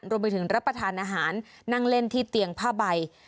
รวมไปถึงรับประทานอาหารนั่งเล่นที่เตียงผ้าใบ